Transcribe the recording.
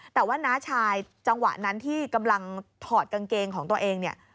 แต่ว่าน้าชายจังหวะนั้นที่กำลังถอดกางเกงของตัวเองเนี่ย